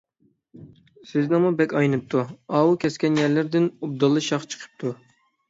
سىزنىڭمۇ بەك ئاينىپتۇ، ئاۋۇ كەسكەن يەرلەردىن ئوبدانلا شاخ چىقىپتۇ.